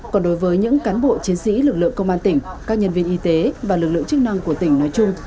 còn đối với những cán bộ chiến sĩ lực lượng công an tỉnh các nhân viên y tế và lực lượng chức năng của tỉnh nói chung